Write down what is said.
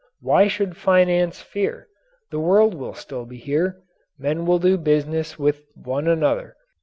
Why should finance fear? The world will still be here. Men will do business with one another.